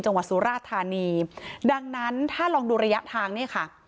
จังหวัดสุราธานีดังนั้นถ้าลองดูระยะทางเนี่ยค่ะ